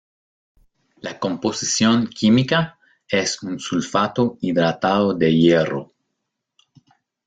La composición química es un sulfato hidratado de hierro.